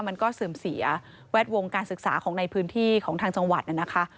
เสื่อมเสียแวดวงการศึกษาของในพื้นที่ของทางจังหวัดนะคะ